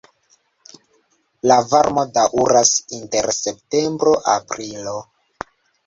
La varmo daŭras inter septembro-aprilo.